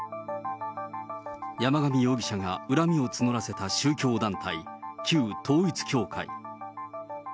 山上容疑者が恨みを募らせた宗教団体、旧統一教会。